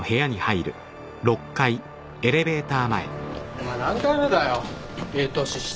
お前何回目だよいい年して。